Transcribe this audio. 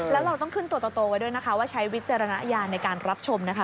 แล้วเราต้องขึ้นตัวโตไว้ด้วยนะคะว่าใช้วิจารณญาณในการรับชมนะคะ